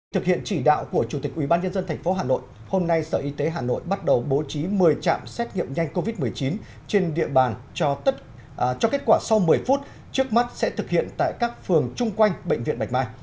thực hiện chỉ đạo của chủ tịch ubnd tp hà nội hôm nay sở y tế hà nội bắt đầu bố trí một mươi trạm xét nghiệm nhanh covid một mươi chín trên địa bàn cho kết quả sau một mươi phút trước mắt sẽ thực hiện tại các phường chung quanh bệnh viện bạch mai